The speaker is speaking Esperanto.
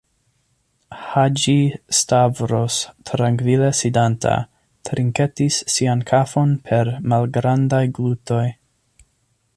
Haĝi-Stavros, trankvile sidanta, trinketis sian kafon per malgrandaj glutoj.